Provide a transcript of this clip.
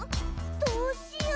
どうしよう。